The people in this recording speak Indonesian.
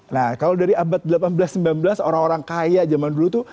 nah kalau dari abad delapan belas sembilan belas orang orang kaya zaman dulu tuh